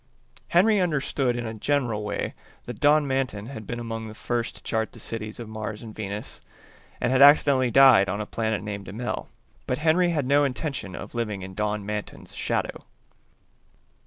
Henry understood in a general way that Don Manton had been among the first to chart the cities of Mars and Venus, and had accidentally died on a planet named Immel; but Henry had no intention of living in Don Manton's shadow.